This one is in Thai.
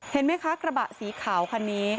เห็นไหมคะกระบะสีขาวคันนี้